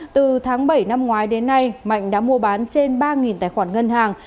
từ tháng bảy năm ngoái đến nay mạnh đã mua bán trên ba tài khoản ngân hàng